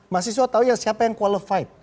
mahasiswa tahu ya siapa yang qualified